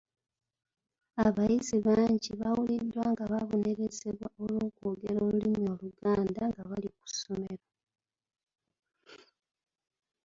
Abayizi bangi bawuliddwa nga babonerezebwa olw’okwogera olulimi Oluganda nga bali ku ssomero.